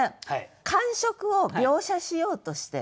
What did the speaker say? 感触を描写しようとしてる。